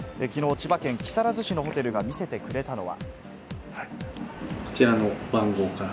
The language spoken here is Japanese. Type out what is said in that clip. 千葉県木更津市のホテルが見せてくれたのは。